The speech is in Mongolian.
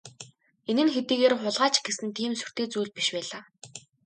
Энэ нь хэдийгээр хулгай ч гэсэн тийм сүртэй зүйл биш байлаа.